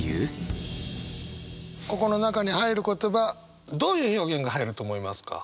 ここの中に入る言葉どういう表現が入ると思いますか？